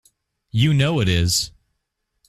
You know it is!